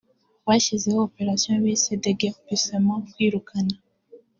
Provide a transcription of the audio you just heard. Bashyizeho operation bise déguerpissement (kwirukana)